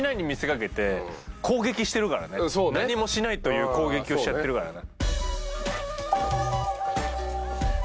あれは何もしないという攻撃をしちゃってるからね